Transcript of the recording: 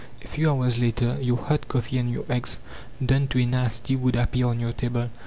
A few hours later your hot coffee and your eggs done to a nicety would appear on your table.